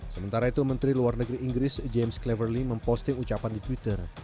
sementara itu menteri luar negeri inggris james cleverley memposting ucapan di twitter